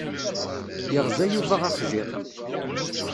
Yeɣza Yuba axjiḍ.